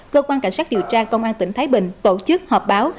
cơ quan cảnh sát điều tra công an tỉnh thái bình tổ chức họp báo